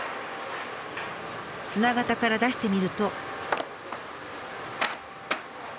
砂型から出してみると。